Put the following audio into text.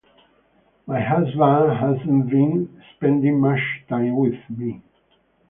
My husband hasn’t been spending much time with me.